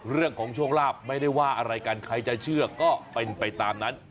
เรื่องของโชคลาภไม่ได้ว่าอะไรกันใครจะเชื่อก็เป็นไปตามนั้น